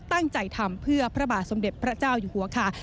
ตั้งใจทำเพื่อพระบาทสมเด็จพระเจ้าอยู่หัวค่ะ